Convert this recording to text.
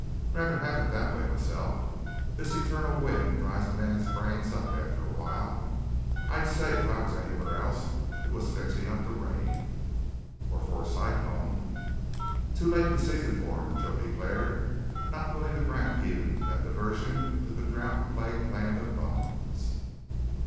Ruther have it that way, myself. This eternal wind dries a man's brains up after a while. I'd say, if I was anywhere else, it was fixin' up to rain." "Or for a cyclone." "Too late in the season for 'em," Joe declared, not willing to grant even that diversion to the drouth plagued land of bones.